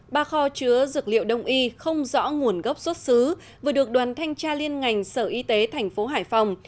ba kho chứa dược liệu đông y không rõ nguồn gốc xuất xứ vừa được đoàn thanh tra liên ngành sở y tế thành phố hải phòng